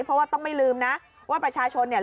เพราะว่าต้องไม่ลืมนะว่าประชาชนเนี่ย